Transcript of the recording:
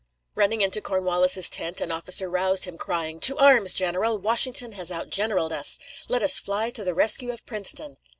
Running into Cornwallis's tent, an officer roused him, crying: "To arms, general! Washington has outgeneraled us. Let us fly to the rescue of Princeton!"